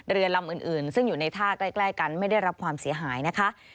เรือลำอื่นซึ่งอยู่ในท่าใกล้กันไม่ได้รับความเสียหายนะคะ